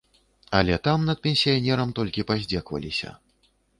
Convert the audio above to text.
Але там над пенсіянерам толькі паздзекваліся.